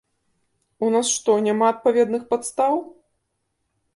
У нас што, няма адпаведных падстаў?